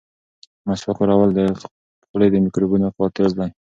مسواک کارول د خولې د میکروبونو قاتل دی.